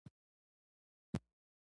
هغه په روسي وویل چې ته په چا ګران نه یې